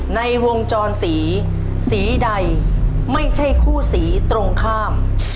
ในวงจรสีสีใดไม่ใช่คู่สีตรงข้าม